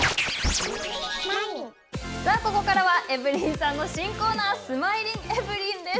さあ、ここからはエブリンさんの新コーナー、スマイリンエブリンです。